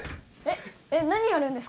えっ何やるんですか？